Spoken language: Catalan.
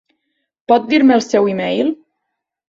Pot dir-me el seu email?